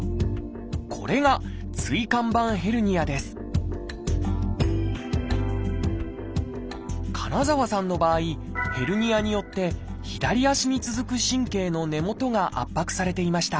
これが椎間板ヘルニアです金澤さんの場合ヘルニアによって左足に続く神経の根元が圧迫されていました。